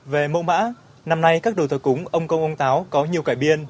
về mẫu mã năm nay các đồ thờ cúng ông công ông táo có nhiều cải biên